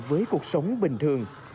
với cuộc sống bình thường